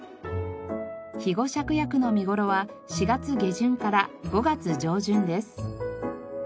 肥後芍薬の見頃は４月下旬から５月上旬です。